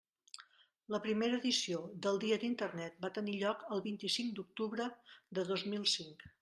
La primera edició del Dia d'Internet va tenir lloc el vint-i-cinc d'octubre de dos mil cinc.